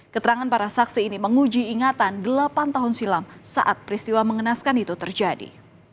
keterangan para saksi ini menguji ingatan delapan tahun silam saat peristiwa mengenaskan itu terjadi